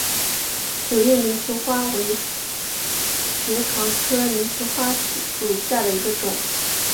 柳叶鳞球花为爵床科鳞球花属下的一个种。